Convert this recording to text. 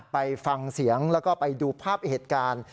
ไปฟังเสียงแล้วก็ไปดูภาพเหตุการณ์